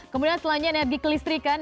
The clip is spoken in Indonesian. kemudian selanjutnya di kelistrikan